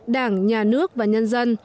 đảng nhà nước và nhân dân